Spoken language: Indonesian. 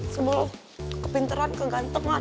semua kepinteran kegantengan